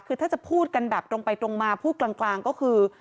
คือถ้าจะพูดกันแบบตรงไปตรงมาพูดกลางก็คือ